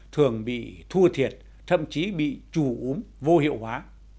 thường bị thua thiệt thậm chí bị trù úm vô hiệu hóa